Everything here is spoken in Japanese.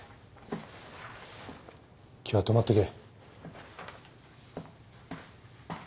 今日は泊まってけ。